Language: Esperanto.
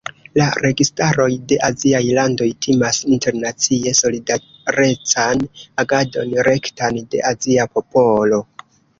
La registaroj de aziaj landoj timas internacie solidarecan agadon rektan de azia popolo.